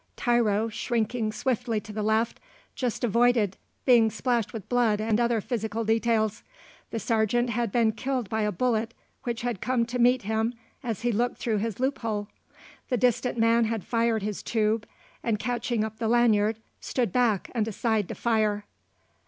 Tiro, shrinking swiftly to the left, just avoided being splashed with blood and other physical details. The Sergeant had been killed by a bullet which had come to meet him as he looked through his loophole. The distant man had fixed his tube, and, catching up the lanyard, stood back and aside to fire.